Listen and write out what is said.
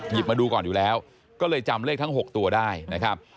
มาดูก่อนอยู่แล้วก็เลยจำเลขทั้ง๖ตัวได้นะครับ